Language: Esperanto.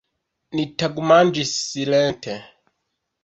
Ni tagmanĝis silente.